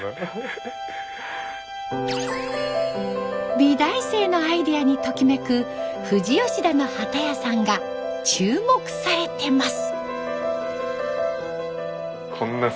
美大生のアイデアにときめく富士吉田の機屋さんが注目されてます。